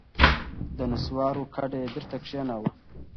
د نسوارو کډه یې بېرته کښېناوه.